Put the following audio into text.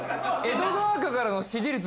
江戸川区からの支持率